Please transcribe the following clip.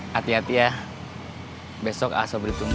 hati hati ya besok aso boleh tunggu